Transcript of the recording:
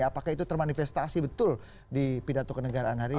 apakah itu termanifestasi betul di pidato kenegaraan hari ini